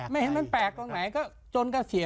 ไม่เห็นมันแปลกตรงไหนก็จนก็เสีย